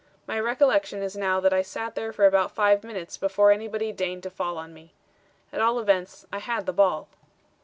My recollection is now that I sat there for about five minutes before anybody deigned to fall on me. At all events, I had the ball.